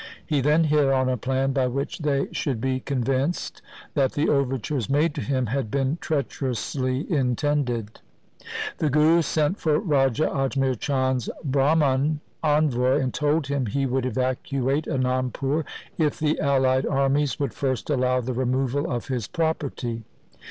He then hit on a plan by which they should be con vinced that the overtures made to him had been treacherously intended. The Guru sent for Raja Ajmer Chand's Brahman envoy, and told him he would evacuate Anandpur if the allied armies would first allow the removal of his property.